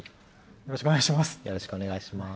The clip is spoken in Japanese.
よろしくお願いします。